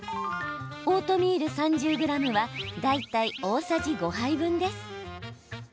オートミール３０ｇは大体大さじ５杯分です。